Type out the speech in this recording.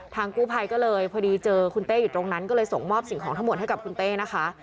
กู้ภัยก็เลยพอดีเจอคุณเต้อยู่ตรงนั้นก็เลยส่งมอบสิ่งของทั้งหมดให้กับคุณเต้นะคะ